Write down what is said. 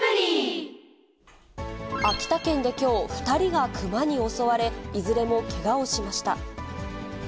秋田県できょう、２人が熊に襲われ、いずれもけがをしました。